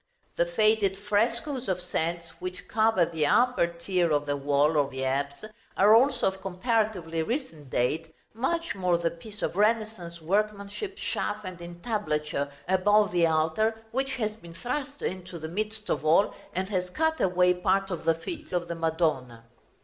The faded frescoes of saints, which cover the upper tier of the wall of the apse, are also of comparatively recent date, much more the piece of Renaissance workmanship, shaft and entablature, above the altar, which has been thrust into the midst of all, and has cut away part of the feet of the Madonna.